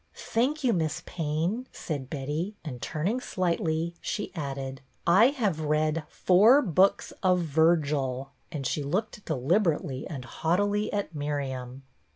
" Thank you. Miss Payne," said Betty, and, turning slightly, she added, "I have read four books of Virgil," and she looked deliberately and haughtily at Miriam.